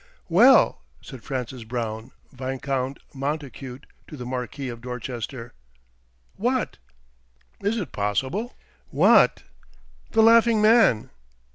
"Well!" said Francis Brown, Viscount Montacute, to the Marquis of Dorchester. "What?" "Is it possible?" "What?" "The Laughing Man!"